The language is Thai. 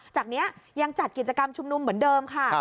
จากนี้ยังจัดกิจกรรมชุมนุมเหมือนเดิมค่ะ